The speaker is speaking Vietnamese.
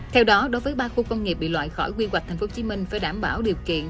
theo đó đối với ba khu công nghiệp bị loại khỏi quy hoạch tp hcm phải đảm bảo điều kiện